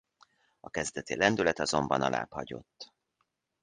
A kezdeti lendület azonban alábbhagyott.